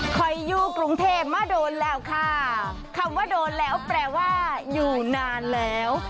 คอยอยู่กรุงเทพมาโดนแล้วค่ะคำว่าโดนแล้วแปลว่าอยู่นานแล้ว